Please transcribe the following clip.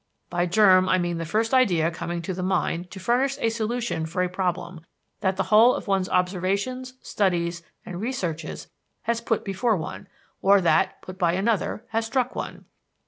"By germ I mean the first idea coming to the mind to furnish a solution for a problem that the whole of one's observations, studies, and researches has put before one, or that, put by another, has struck one.